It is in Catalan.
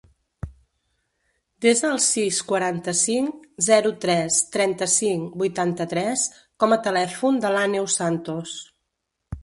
Desa el sis, quaranta-cinc, zero, tres, trenta-cinc, vuitanta-tres com a telèfon de l'Àneu Santos.